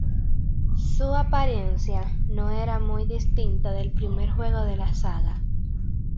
Su apariencia no era muy distinta del primer juego de la saga.